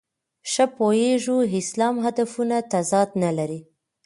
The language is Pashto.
ښه پوهېږو اسلام هدفونو تضاد نه لري.